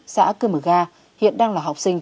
xã cơ mở ga hiện đang là học sinh